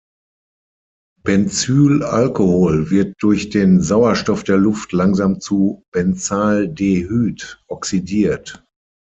Benzylalkohol wird durch den Sauerstoff der Luft langsam zu Benzaldehyd oxidiert.